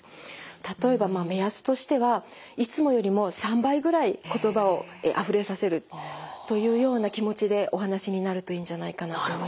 例えばまあ目安としてはいつもよりも３倍ぐらい言葉をあふれさせるというような気持ちでお話しになるといいんじゃないかなと思います。